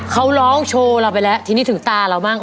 เขาร้องโชว์เราไปแล้วทีนี้ถึงตาเราบ้าง